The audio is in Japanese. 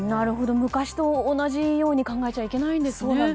昔と同じように考えちゃいけないんですね。